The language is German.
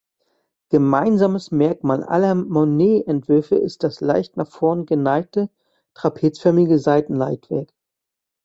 Gemeinsames Merkmal aller Mooney-Entwürfe ist das leicht nach vorn geneigte trapezförmige Seitenleitwerk.